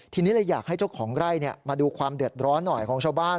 ทีนี้เลยอยากให้เจ้าของไร่มาดูความเดือดร้อนหน่อยของชาวบ้าน